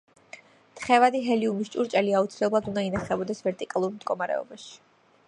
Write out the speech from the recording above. თხევადი ჰელიუმის ჭურჭელი აუცილებლად უნდა ინახებოდეს ვერტიკალურ მდგომარეობაში.